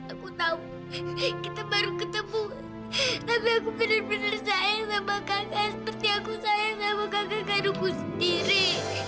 aku tahu kita baru ketemu tapi aku benar benar sayang sama kakak seperti aku sayang sama kakak kandungku sendiri